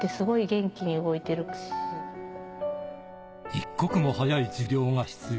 一刻も早い治療が必要。